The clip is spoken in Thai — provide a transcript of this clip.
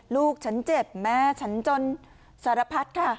ลูกฉันเจ็บแม่ฉันจนสารพัดค่ะ